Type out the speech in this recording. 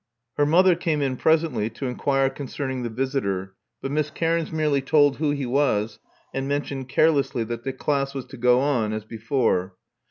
Her mother came in presently, to inquire concerning the visitor; but Miss Cairns merely told who he was, and mentioned carelessly that the class was to go on as before.